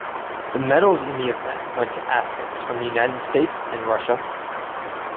The medals in the event went to athletes from the United States, and Russia.